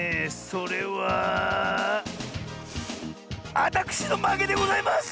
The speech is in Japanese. それはあたくしのまけでございます！